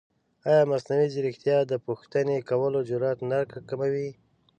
ایا مصنوعي ځیرکتیا د پوښتنې کولو جرئت نه راکموي؟